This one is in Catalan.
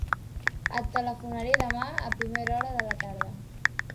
Et telefonaré demà a primera hora de la tarda.